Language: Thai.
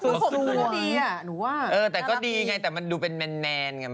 พี่รูตของคุณพี่ด่ามทำเอง